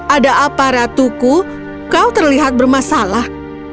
ada apa ratuku kau terlihat bermasalah